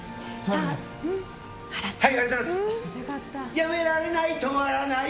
やめられない、止まらない！